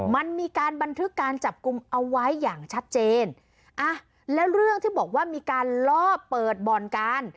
มันมีการบันทึกการจับกลุ่มเอาไว้อย่างชัดเจนอ่ะแล้วเรื่องที่บอกว่ามีการล่อเปิดบ่อนการ